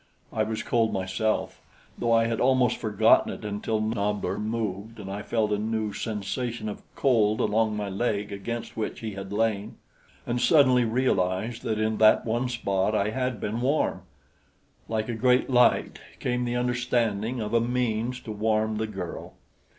I was cold myself, though I had almost forgotten it until Nobbler moved and I felt a new sensation of cold along my leg against which he had lain, and suddenly realized that in that one spot I had been warm. Like a great light came the understanding of a means to warm the girl.